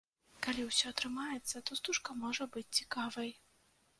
Калі ўсё атрымаецца, то стужка можа быць цікавай.